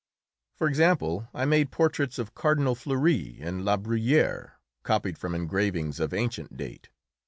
For example, I had made portraits of Cardinal Fleury and La Bruyère, copied from engravings of ancient date.